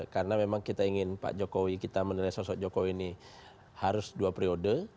karena memang kita ingin pak jokowi kita menilai sosok jokowi ini harus dua periode